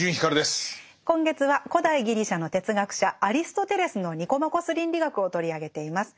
今月は古代ギリシャの哲学者アリストテレスの「ニコマコス倫理学」を取り上げています。